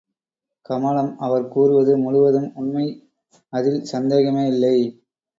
கமலம் அவர் கூறுவது முழுவதும் உண்மை அதில் சந்தேகமே இல்லை.